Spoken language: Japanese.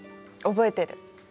覚えてる。